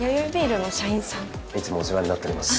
いつもお世話になっております。